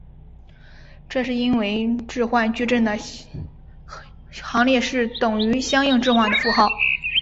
这是因为置换矩阵的行列式等于相应置换的符号。